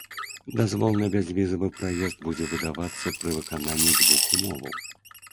Дазвол на бязвізавы праезд будзе выдавацца пры выкананні дзвюх умоваў.